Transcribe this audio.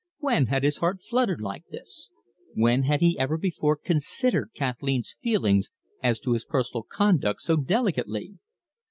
When had his heart fluttered like this? When had he ever before considered Kathleen's feelings as to his personal conduct so delicately?